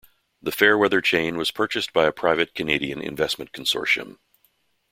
The Fairweather chain was purchased by a private Canadian investment consortium.